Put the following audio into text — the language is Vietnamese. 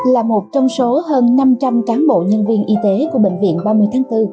là một trong số hơn năm trăm linh cán bộ nhân viên y tế của bệnh viện ba mươi tháng bốn